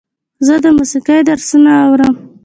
زه د موسیقۍ درسونه اورم.